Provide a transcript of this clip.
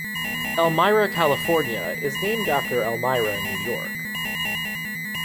Elmira, California, is named after Elmira, New York.